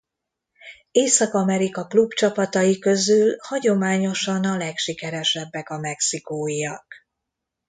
Észak-Amerika klubcsapatai közül hagyományosan a legsikeresebbek a mexikóiak.